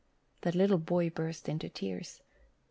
The little boy burst into tears.